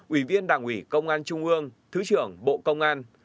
ủy viên đảng ủy công an trung ương thứ trưởng bộ công an